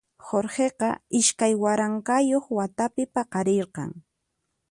Jorgeqa iskay waranqayuq watapi paqarirqan.